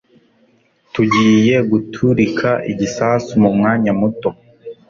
Tugiye guturika igisasu mumwanya muto.